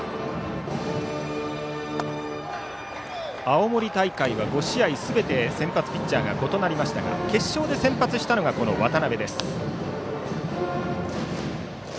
青森大会は５試合すべて先発ピッチャーが異なりましたが決勝で先発したのが渡部です。